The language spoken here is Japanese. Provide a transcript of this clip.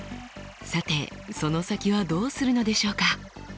さてその先はどうするのでしょうか？